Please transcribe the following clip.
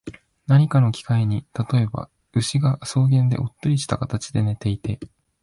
何かの機会に、例えば、牛が草原でおっとりした形で寝ていて、